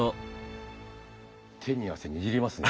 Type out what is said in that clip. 手に汗握りますね。